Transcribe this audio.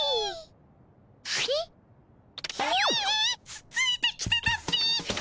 つついてきてたっピッ。